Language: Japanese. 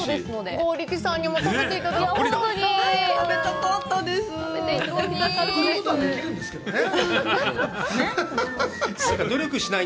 剛力さんにも食べていただきたい。